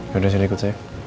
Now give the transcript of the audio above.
yaudah sini ikut saya